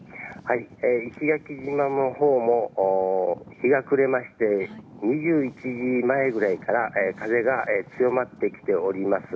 石垣島のほうも日が暮れまして２１時前ぐらいから風が強まってきております。